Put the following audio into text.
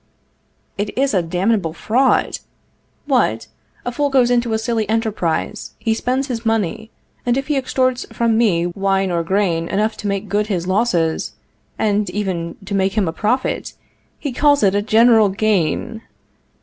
It is a damnable fraud! What! A fool goes into a silly enterprise, he spends his money, and if he extorts from me wine or grain enough to make good his losses, and even to make him a profit, he calls it a general gain!